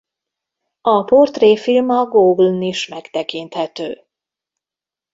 A portréfilm a Google-n is megtekinthető.